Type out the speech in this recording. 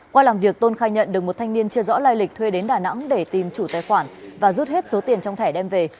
qua làm việc tôn khai nhận được một thanh niên chưa rõ lai lịch thuê đến đà nẵng để tìm chủ tài khoản và rút hết số tiền trong thẻ đem về